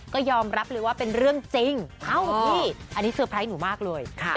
ก็ยอมรับเลยว่าเป็นเรื่องจริงเอ้าพี่อันนี้เซอร์ไพรส์หนูมากเลย